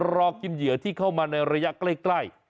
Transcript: รอกินเหยื่อที่เข้ามาในระยะใกล้